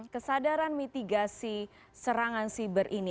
kesadaran mitigasi serangan siber ini